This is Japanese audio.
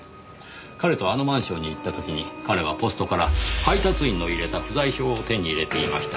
彼とあのマンションに行った時に彼はポストから配達員の入れた不在票を手に入れていました。